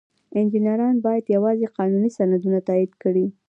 انجینران باید یوازې قانوني سندونه تایید کړي.